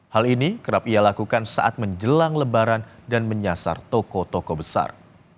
hal ini kerap ia lakukan saat menjelang lebaran dan menyasar toko toko besar